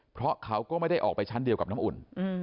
เพราะเขาก็ไม่ได้ออกไปชั้นเดียวกับน้ำอุ่น